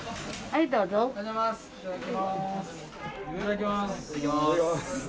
いただきます